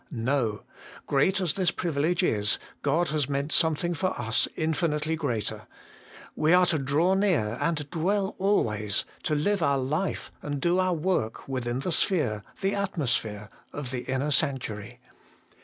No ; great as this privilege is, God has meant something for us infinitely greater. We are to draw near, and dwell always, to live our life and do our work within the sphere, the atmosphere, of the inner sanctuary.